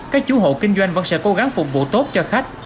các chú hộ kinh doanh vẫn sẽ cố gắng phục vụ tốt cho khách